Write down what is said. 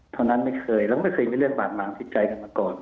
เท่านั้นไม่เคยแล้วไม่เคยมีเรื่องบาดหมางติดใจกันมาก่อน